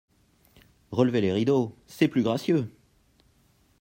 Relevez les rideaux… c’est plus gracieux !